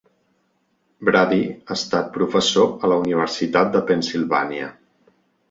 Brady ha estat professor a la Universitat de Pennsylvania.